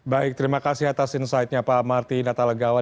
baik terima kasih atas insightnya pak marty natalegawa